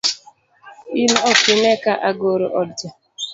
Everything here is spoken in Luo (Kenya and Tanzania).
in okine ka agero odcha?